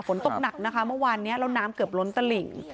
ฝนตกหนักนะคะเมื่อวานนี้แล้วน้ำเกือบล้นตลิ่ง